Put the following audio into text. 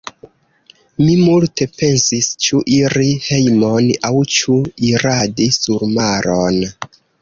Mi multe pensis; ĉu iri hejmon, aŭ ĉu iradi surmaron.